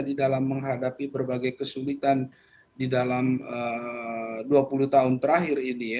di dalam menghadapi berbagai kesulitan di dalam dua puluh tahun terakhir ini